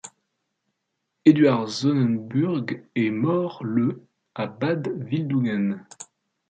Eduard Sonnenburg est mort le à Bad Wildungen.